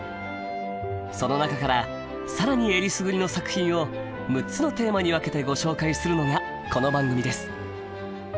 その中から更にえりすぐりの作品を６つのテーマに分けてご紹介するのがこの番組です。